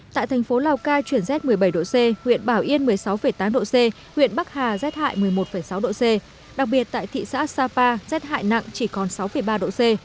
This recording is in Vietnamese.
tại thành phố lào cai chuyển z một mươi bảy độ c huyện bảo yên một mươi sáu tám độ c huyện bắc hà rét hại một mươi một sáu độ c đặc biệt tại thị xã sapa rét hại nặng chỉ còn sáu ba độ c